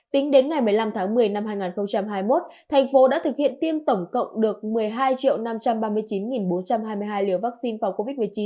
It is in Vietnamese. tính đến ngày một mươi năm tháng một mươi năm hai nghìn hai mươi một thành phố đã thực hiện tiêm tổng cộng được một mươi hai năm trăm ba mươi chín bốn trăm hai mươi hai liều vaccine phòng covid một mươi chín